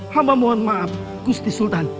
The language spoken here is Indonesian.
hama mohon maaf gusti sultan